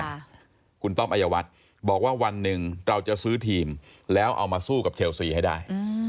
สโมสรเลสเตอร์ตอนเนี้ยคุณต้อมอัยวัตรบอกว่าวันหนึ่งเราจะซื้อทีมแล้วเอามาสู้กับเชลสีให้ได้